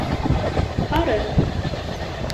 Һары